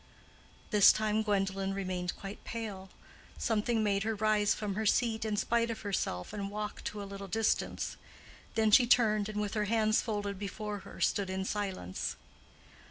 This time Gwendolen remained quite pale. Something made her rise from her seat in spite of herself and walk to a little distance. Then she turned and with her hands folded before her stood in silence.